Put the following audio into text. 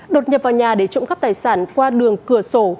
đột nhập vào nhà để trộm cắp tài sản qua đường cửa sổ